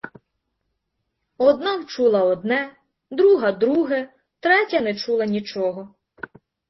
Одна вчула одне, друга — друге, третя не чула нічого.